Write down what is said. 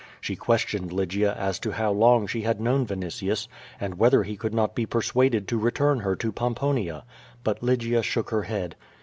She questioned Lygia as to how long she had known Vinitius, and whether he could not be persuaded to return her to Pomponia. But Lygia shook her head.